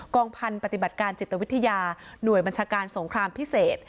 องพันธุ์ปฏิบัติการจิตวิทยาหน่วยบัญชาการสงครามพิเศษ